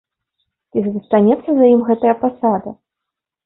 Ці застанецца за ім гэтая пасада?